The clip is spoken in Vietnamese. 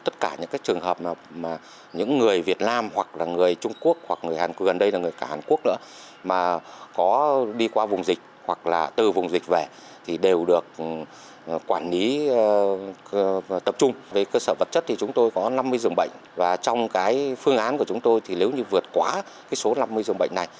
trong phương án của chúng tôi nếu như vượt quá số năm mươi dùng bệnh này